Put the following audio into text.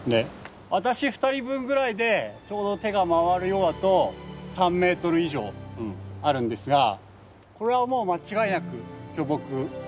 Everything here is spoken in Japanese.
私２人分ぐらいでちょうど手が回るようだと３ｍ以上あるんですがこれはもう間違いなく巨木。